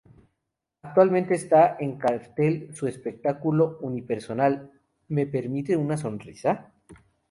Actualmente esta en cartel su espectáculo unipersonal "¿Me permite una Sonrisa?